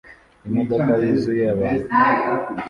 Imodoka yuzuye abantu